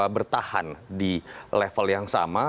bertahan di level yang sama